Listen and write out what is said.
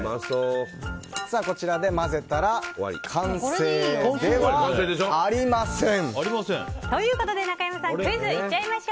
こちらで混ぜたら完成ではありません！